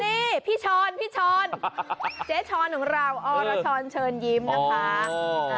นี่พี่ช้อนพี่ช้อนเจ๊ชอนของเราอรชรเชิญยิ้มนะคะ